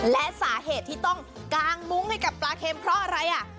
และสาเหตุที่ต้องกางมุ้งให้กับปลาเค็มเพราะอะไรอ่ะ